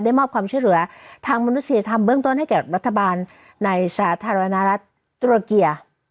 มอบความช่วยเหลือทางมนุษยธรรมเบื้องต้นให้แก่รัฐบาลในสาธารณรัฐตุรเกีย